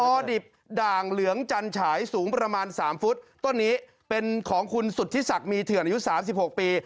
พอดิบด่างเหลืองจันฉายสูงประมาณ๓ฟุตต้นนี้เป็นของคุณสุธิศักดิ์มีเถื่อนอายุ๓๖ปี